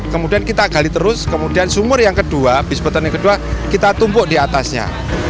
kemudian kita gali terus kemudian sumur yang kedua bis beton yang kedua kita tumpuk di atasnya